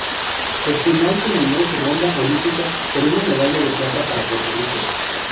Espinal culminó su ronda olímpica con una medalla de plata para Puerto Rico.